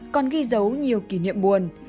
còn ghi dấu nhiều kỷ niệm buồn